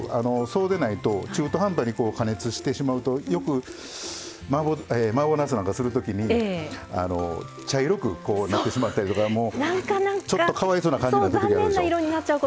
そうでないと中途半端に加熱してしまうとよくマーボーなすなんかする時に茶色くなってしまったりとかちょっとかわいそうな感じになってきはるでしょ。